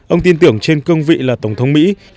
ông tin tưởng trên cương vị là tổng thống mỹ